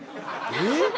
えっ！？